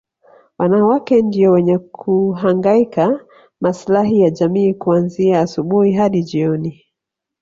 Wanawake ndio wenye kuhangaikia maslahi ya jamii kuanzia asubuhi hadi jioni